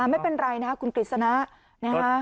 ไม่เป็นไรนะครับคุณกฤษณะนะคะ